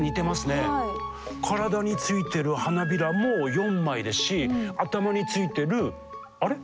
体についてる花びらも４枚ですし頭についてるあれ？